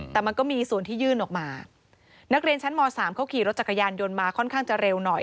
แต่มันก็มีส่วนที่ยื่นออกมานักเรียนชั้นม๓เขาขี่รถจักรยานยนต์มาค่อนข้างจะเร็วหน่อย